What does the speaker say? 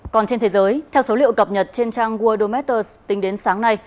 còn trên thế giới theo số liệu cập nhật trên trang worldometers tính đến sáng nay